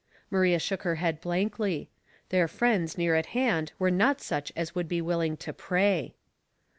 Maria shook her head blankly. Their friends near at hand were not such as would be willing to pray.